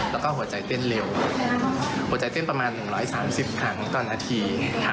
แล้วก็หัวใจเต้นเร็วหัวใจเต้นประมาณ๑๓๐ครั้งต่อนาที